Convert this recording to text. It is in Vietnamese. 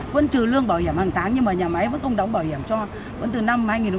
vẫn trừ lương bảo hiểm hàng tháng nhưng mà nhà máy vẫn không đóng bảo hiểm cho vẫn từ năm hai nghìn một mươi sáu đến giờ